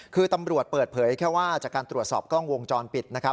คือตำรวจเปิดเผยแค่ว่าจากการตรวจสอบกล้องวงจรปิดนะครับ